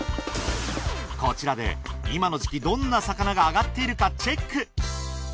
こちらで今の時期どんな魚があがっているかチェック！